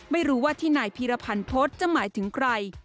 ไม่รู้ว่าที่นายพีรพันธ์โพสต์จะหมายถึงใคร